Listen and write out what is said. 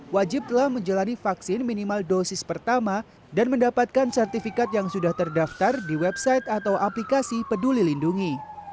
wajib telah menjalani vaksin minimal dosis pertama dan mendapatkan sertifikat yang sudah terdaftar di website atau aplikasi peduli lindungi